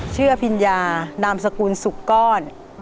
พิญญานามสกุลสุกก้อน